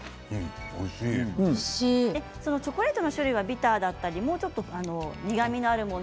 チョコレートの種類はビターだったり苦みのあるもの